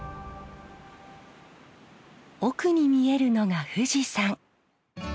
奥に見えるのが富士山。